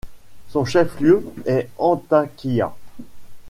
Son chef-lieu est Antakya.